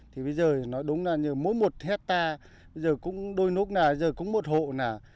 thì bây giờ nói đúng là mỗi một hectare bây giờ cũng đôi nút nè bây giờ cũng một hộ nè